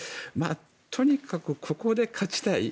とにかくここで勝ちたい。